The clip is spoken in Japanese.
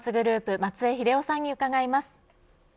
松江英夫さんに伺います。